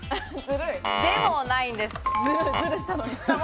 でもないんです。